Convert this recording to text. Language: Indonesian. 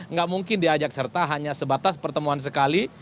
nggak mungkin diajak serta hanya sebatas pertemuan sekali